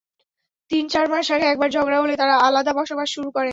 তিন-চার মাস আগে একবার ঝগড়া হলে তাঁরা আলাদা বসবাস শুরু করেন।